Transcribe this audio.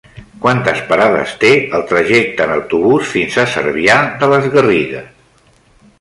Quantes parades té el trajecte en autobús fins a Cervià de les Garrigues?